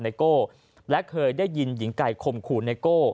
ไโก้และเคยได้ยินหญิงไก่ข่มขู่ไนโก้